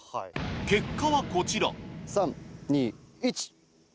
結果はこちら３・２・１。